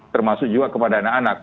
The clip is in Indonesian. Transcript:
termasuk juga kepada anak anak